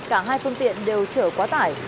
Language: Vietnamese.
cả hai phương tiện đều trở quá tải